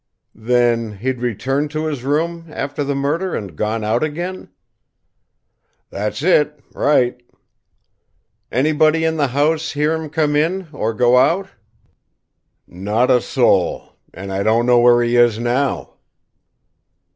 "Then, he'd returned to his room, after the murder, and gone out again?" "That's it right." "Anybody in the house hear him come in, or go out?" "Not a soul. And I don't know where he is now."